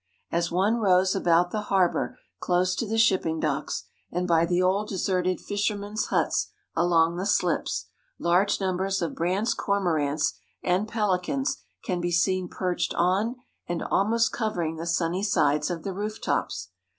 As one rows about the harbor close to the shipping docks and by the old deserted fishermen's huts along the slips, large numbers of Brandt's Cormorants and pelicans can be seen perched on and almost covering the sunny sides of the roof tops.